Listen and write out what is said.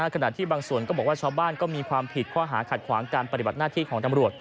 ขณะที่บางส่วนก็บอกว่าชาวบ้านก็มีความผิดข้อหาขัดขวางการปฏิบัติหน้าที่ของตำรวจ